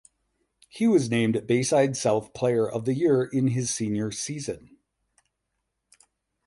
He was named Bayside South Player of the Year in his senior season.